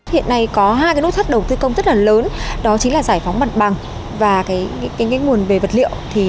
hiện nay có hai nút thắt đầu tư công rất là lớn đó chính là giải phóng mặt bằng và nguồn về vật liệu